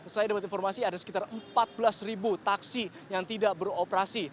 saya dapat informasi ada sekitar empat belas taksi yang tidak beroperasi